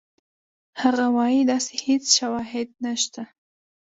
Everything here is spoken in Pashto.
هغه وایي چې داسې هېڅ شواهد نشته.